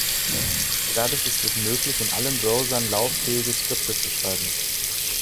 Dadurch ist es möglich, in allen Browsern lauffähige Skripte zu schreiben.